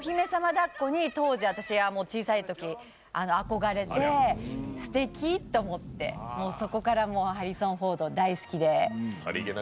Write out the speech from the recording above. だっこに当時、小さいとき憧れてすてきと思って、そこからハリソン・フォード大好きで。